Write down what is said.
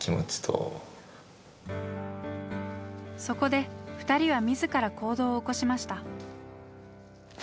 そこで２人は自ら行動を起こしました。